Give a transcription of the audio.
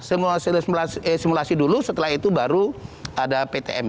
simulasi dulu setelah itu baru ada ptm